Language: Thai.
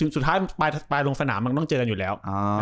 สุดท้ายปลายลงสนามมันต้องเจอกันอยู่แล้ว